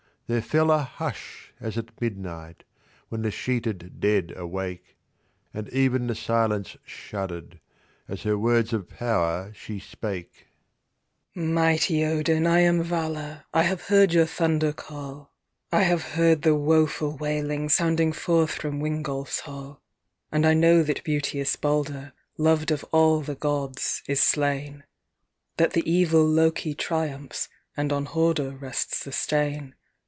Thei e fell a hush as at midnight, when the sheeted dead awake, And even the silence shuddered, as her words of power she spake : "Mighty Odin, I am Vala, I have heard your thunder call, THE PROPHECY OP VALA. I have heard the woful wailin^ O Sounding forth from Wingolf s hall ; And I know that beauteous Baldur, Loved of all the gods, is slain That the evil Loke triumphs, And on Harder rests the stain.